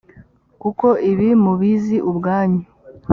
kuko ibi mubizi ubwanyu